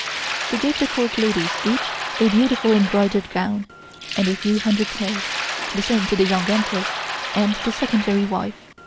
She gave the Court ladies each a beautiful embroidered gown and a few hundred taels, the same to the Young Empress and the Secondary wife.